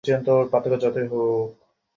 তুমি দেখতে পাচ্ছো না?